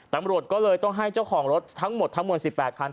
ตำรวจก็เลยต้องให้เจ้าของรถทั้งหมดทั้งหมด๑๘คัน